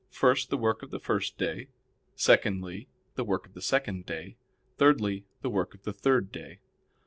First, the work of the first day; secondly, the work of the second day; thirdly the work of the third day.